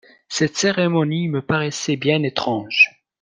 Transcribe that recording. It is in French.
Cette cérémonie me paraissait bien étrange.